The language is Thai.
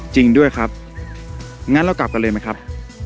จริงด้วยครับงั้นเรากลับกันเลยไหมครับ